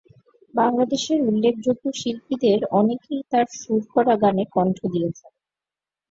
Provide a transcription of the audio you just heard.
বাংলাদেশের উল্লেখযোগ্য শিল্পীদের অনেকেই তার সুর করা গানে কণ্ঠ দিয়েছেন।